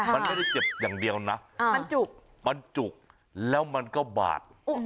มันไม่ได้เจ็บอย่างเดียวนะมันจุกมันจุกแล้วมันก็บาด